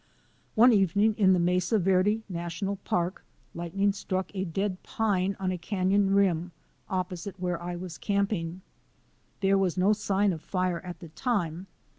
One evening in the Mesa Verde National Park lightning struck a dead pine on a canon rim op posite where I was camping. There was no sign of fire at the time.